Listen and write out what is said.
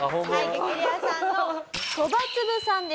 激レアさんのそばつぶさんです。